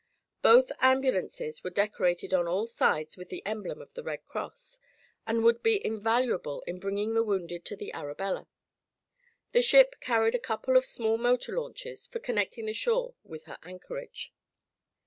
Both ambulances were decorated on all sides with the emblem of the Red Cross and would be invaluable in bringing the wounded to the Arabella. The ship carried a couple of small motor launches for connecting the shore with her anchorage.